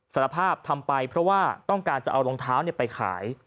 สารภาพทำไปเพราะว่าต้องการจะเอารองเท้าไปขาย